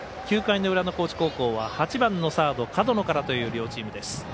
９回の裏の高知高校は８番のサード、門野からという両チームです。